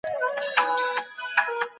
څه ډول انلاين درسونه د تمرین لپاره مناسب دي؟